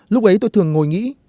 lúc ấy tôi thường ngồi nghĩ